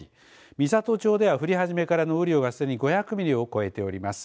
美郷町では降り始めからの雨量がすでに５００ミリを超えております。